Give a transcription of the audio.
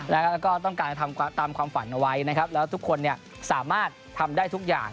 แล้วก็ต้องการทำตามความฝันเอาไว้นะครับแล้วทุกคนเนี่ยสามารถทำได้ทุกอย่าง